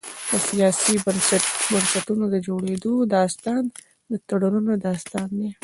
د سیاسي بنسټونو د جوړېدو داستان د تړونونو داستان دی.